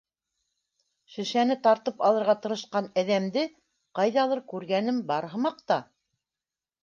Шешәне тартып алырға тырышҡан әҙәмде ҡайҙалыр күргәнем бар һымаҡ та.